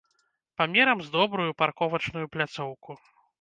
Памерам з добрую парковачную пляцоўку.